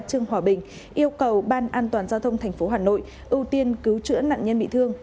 trương hòa bình yêu cầu ban an toàn giao thông tp hà nội ưu tiên cứu chữa nạn nhân bị thương